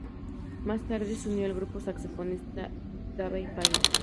Más tarde se unió al grupo el saxofonista Davey Payne.